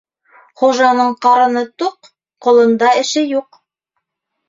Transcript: Хужаның ҡарыны туҡ, колонда эше юҡ.